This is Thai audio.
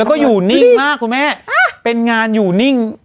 แล้วก็อยู่นิ่งมากคุณแม่เป็นงานอยู่นิ่ง